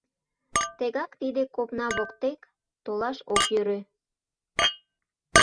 Тегак тиде копна воктек толаш ок йӧрӧ.